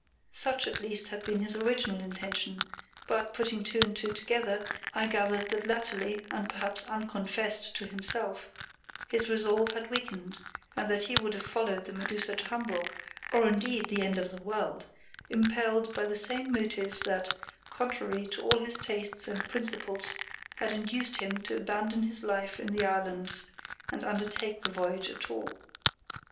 Such at least had been his original intention; but, putting two and two together, I gathered that latterly, and perhaps unconfessed to himself, his resolve had weakened, and that he would have followed the Medusa to Hamburg, or indeed the end of the world, impelled by the same motive that, contrary to all his tastes and principles, had induced him to abandon his life in the islands and undertake the voyage at all.